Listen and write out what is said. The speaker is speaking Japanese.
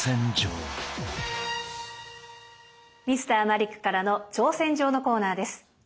「Ｍｒ．マリックからの挑戦状」のコーナーです。